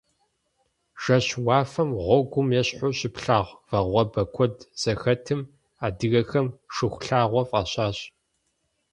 Жэщ уафэм гъуэгум ещхьу щыплъагъу вагъуэбэ куэд зэхэтым адыгэхэм Шыхулъагъуэ фӀащащ.